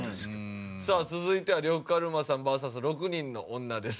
さあ続いては呂布カルマさんＶＳ６人の女です。